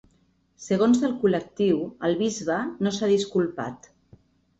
Segons el col·lectiu, el bisbe no s’ha disculpat.